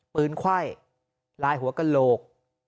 ไขว้ลายหัวกระโหลก